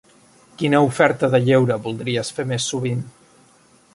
Quina oferta de lleure voldries fer més sovint?